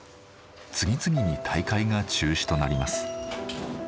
次々に大会が中止となります。